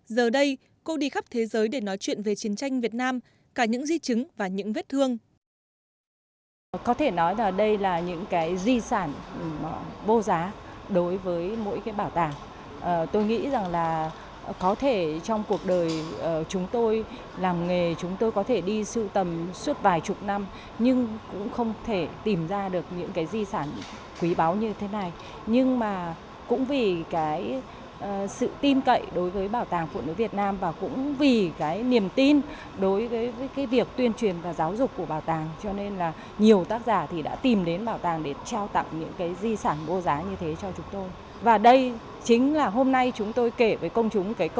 giờ đây cô đi khắp thế giới để nói chuyện về chiến tranh việt nam cả những di chứng và những vết thương